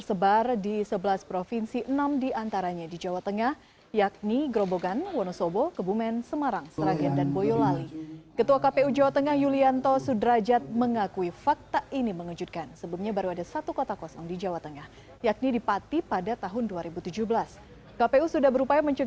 saat ini kpu provinsi kepulauan riau telah memasuki tahapan pemeriksaan berkas persyaratan pencalonan untuk ditetapkan sebagai calon tetap pada dua puluh tiga september nanti